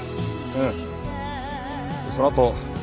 うん。